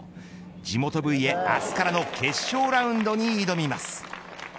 地元Ｖへ、明日からの決勝ラウンドに挑みます。